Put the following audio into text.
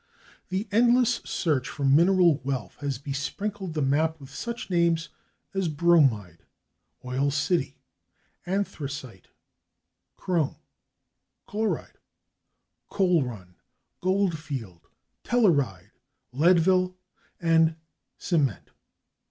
The endless search for mineral wealth has besprinkled the map with such names as /Bromide/, /Oil City/, /Anthracite/, /Chrome/, /Chloride/, /Coal Run/, /Goldfield/, /Telluride/, /Leadville/ and /Cement